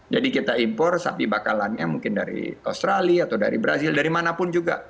jadi kita impor sapi bakalannya mungkin dari australia atau dari brazil dari mana pun juga